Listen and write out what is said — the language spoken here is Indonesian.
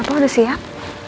papa udah siap